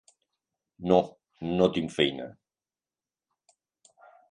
No, no tinc feina.